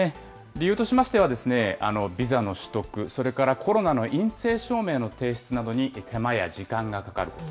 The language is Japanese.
理由としましては、ビザの取得、それからコロナの陰性証明の提出などに手間や時間がかかると。